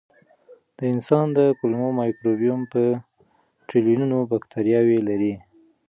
د انسان د کولمو مایکروبیوم په ټریلیونونو بکتریاوې لري.